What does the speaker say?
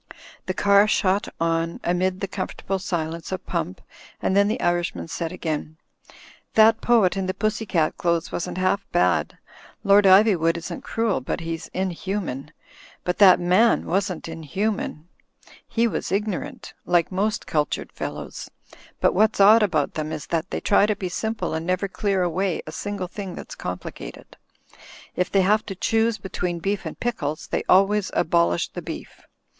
The car shot on amid the comfortable silence of Pump, and then the Irishman said again: "That poet in the pussy cat clothes wasn't half bad. Lord Iv3nvood isn't cruel ; but he's inhuman. But that man wasn't inhuman. He was ignorant, like most cultured fellows. But what's odd about them is that they try to be simple and never clear away a single thing that's complicated. If they have to choose be tween beef and pickles, they always abolish the beef.